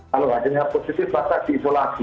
kalau hasilnya positif maka diisolasi